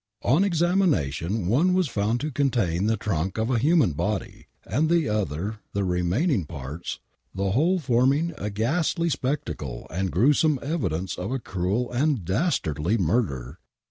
On examination one was found to contain the trunk of a human body, and the other the remaining parts, the whole forming a ghastly spectacle and gruesome evidence of a cruel and dastardly murder.